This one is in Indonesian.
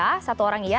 ada yang satu orang iya